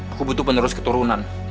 aku butuh penerus keturunan